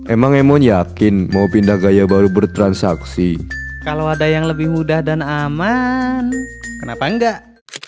emang emang yakin mau pindah gaya baru bertransaksi kalau ada yang lebih mudah dan aman kenapa enggak